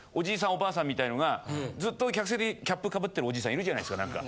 おばあさんみたいのがずっと客席でキャップかぶってるおじいさんいるじゃないですか何か。